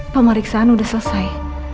pemeriksaan udah selesai